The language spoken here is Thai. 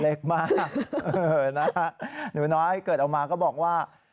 เล็กมากหนูน้อยเกิดออกมาก็บอกว่า